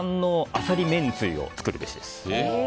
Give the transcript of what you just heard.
アサリめんつゆを作るべしです。